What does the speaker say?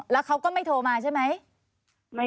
แล้วเขาก็ไม่โทรมาใช่ไหม